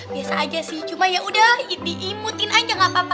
biasa aja sih cuma ya udah diimutin aja gak apa apa